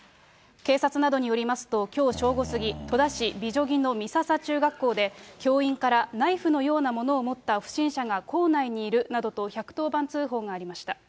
警察などによりますと、きょう正午過ぎ、戸田市びじょぎの美笹中学校で、教員からナイフのようなものを持った不審者が校内にいるなどと、１１０番通報がありました。